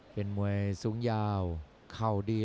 เป็นมวยสูงยาวเข่าดี